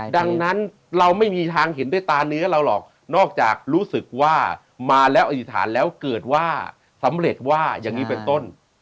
ดังนั้นเราไม่มีทางเห็นด้วยตาเนื้อเราหรอกนอกจากรู้สึกว่ามาแล้วอธิษฐานแล้วเกิดว่าสำเร็จว่าอย่างนี้เป็นต้น